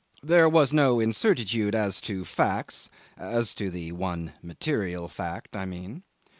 There was no incertitude as to facts as to the one material fact, I mean.